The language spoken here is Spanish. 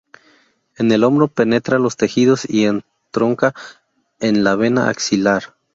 En el hombro penetra los tejidos y entronca en la vena axilar.